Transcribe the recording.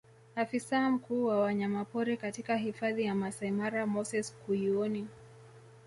Afisa mkuu wa wanyamapori katika hifadhi ya Maasai Mara Moses Kuyuoni